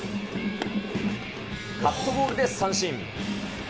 カットボールで三振。